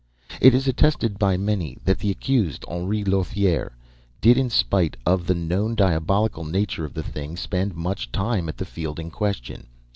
"It is attested by many that the accused, Henri Lothiere, did in spite of the known diabolical nature of the thing, spend much time at the field in question.